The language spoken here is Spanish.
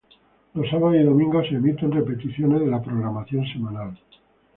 Los sábados y domingos se emiten repeticiones de la programación semanal.